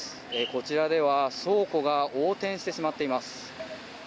こちらでは、倉庫が横転してしまっています。